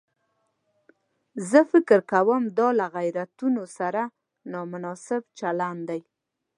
زه فکر کوم دا له غیرتونو سره نامناسب چلن دی.